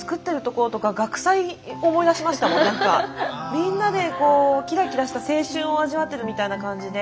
みんなでこうキラキラした青春を味わってるみたいな感じで。